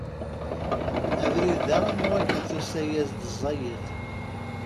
Abrid-a am wakken tusa-yas-d ẓẓayet.